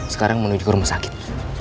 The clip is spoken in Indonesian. sekarang menuju ke rumah sakit